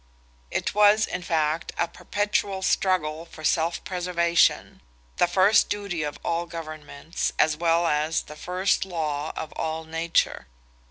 It was, in fact, a perpetual struggle for self preservation—the first duty of all governments, as well as the first law of all nature.